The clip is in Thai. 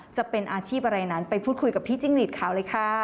จะเป็นอาชีพอะไรนั้นไปพูดคุยกับพี่จิ้งหลีดขาวเลยค่ะ